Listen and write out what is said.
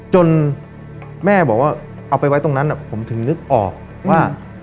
จนแม่บอกว่าเอาไปไว้ตรงนั้นผมถึงนึกออกว่า